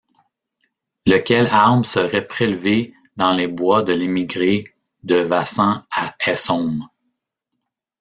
Lequel arbre serait prélevé dans les bois de l'Emigré de Vassan, à Essômes.